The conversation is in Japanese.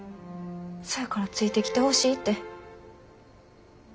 そやからついてきてほしいて。